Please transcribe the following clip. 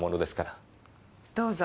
どうぞ。